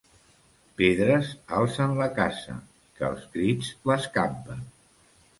Pedres alcen la caça, que els crits l'escampen.